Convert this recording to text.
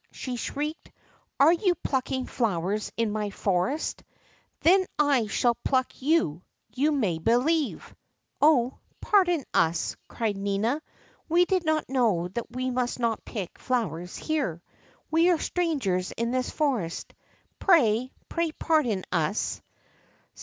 she shrieked ; are you plucking flowers in my forest ? Then shall I pluck you, you may believe !" Oh ! pardon us," cried Nina ; we did not know that we must not ipick flowers here. We are strangers in this forest. Pray, pray, pardon us."